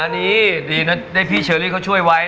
นี่ดีนะได้พี่เชิญกันนะ